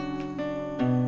tidak ada apa apa